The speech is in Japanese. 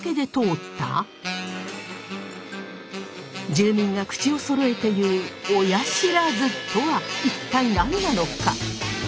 住民が口をそろえて言う「オヤシラズ」とは一体何なのか？